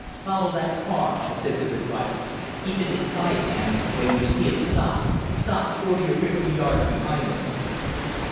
"Follow that car," I said to the driver. "Keep it in sight, and, when you see it stop, stop forty or fifty yards behind it."